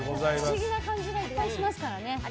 不思議な感じがいっぱいしますからね。